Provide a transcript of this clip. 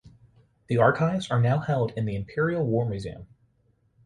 The archives are now held in the Imperial War Museum.